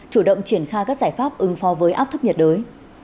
chủ động triển khai các giải pháp ứng phó với áp thấp nhiệt đới